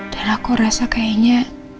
dan aku rasa kayaknya